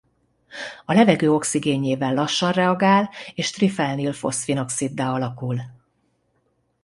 A levegő oxigénjével lassan reagál és trifelnilfoszfin-oxiddá alakul.